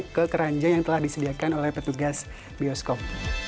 ini adalah peranjang yang telah disediakan oleh petugas bioskop